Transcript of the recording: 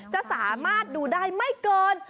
จะสามารถดูได้ไม่เกิน